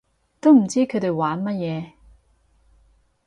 都唔知佢哋玩乜嘢